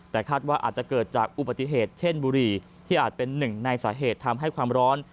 แต่คาดว่าอาจจะเกิดจากอุบัติเหตุเช่นบุรีที่อาจเป็นหนึ่งในสาเหตุทำให้ความร้อน